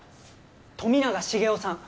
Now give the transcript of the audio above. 富永繁雄さん